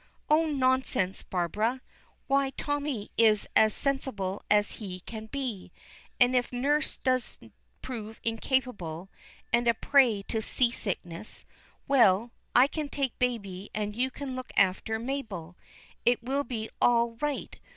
Oh, nonsense, Barbara; why Tommy is as sensible as he can be, and if nurse does prove incapable, and a prey to seasickness, well I can take baby, and you can look after Mabel. It will be all right!